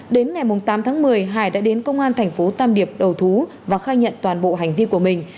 đến ngày tám tháng một mươi hải đã đến công an thành phố tam điệp đầu thú và khai nhận toàn bộ hành vi của mình